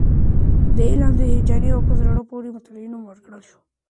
دې علم ته د هیجاني او په زړه پورې مطالعې نوم ورکړل شوی.